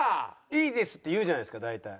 「いいです」って言うじゃないですか大体。